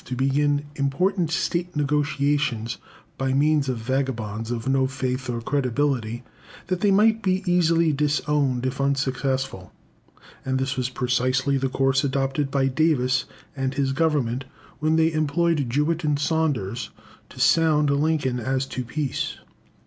to begin important State negotiations by means of vagabonds of no faith or credibility, that they might be easily disowned if unsuccessful; and this was precisely the course adopted by Davis and his Government when they employed Jewett and Saunders to sound Lincoln as to peace.